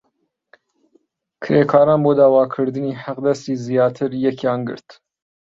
کرێکاران بۆ داواکردنی حەقدەستی زیاتر یەکیان گرت.